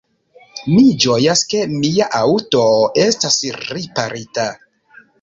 Mi ĝojas, ke mia aŭto estas riparita.